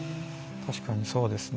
確かにそうですね。